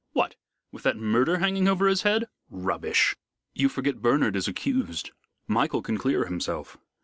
"What! with that murder hanging over his head? Rubbish!" "You forget Bernard is accused. Michael can clear himself."